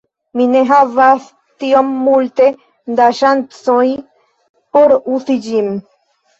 Mi ne havas tiom multe da ŝancoj por uzi ĝin.